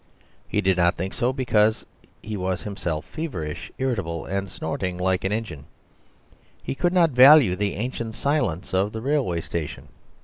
He did not think so because he was himself feverish, irritable, and snorting like an engine. He could not value the ancient silence of the railway station.